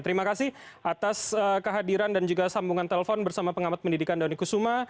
terima kasih atas kehadiran dan juga sambungan telepon bersama pengamat pendidikan doni kusuma